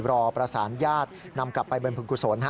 รอประสานญาตินำกลับไปบำเพ็ญกุศล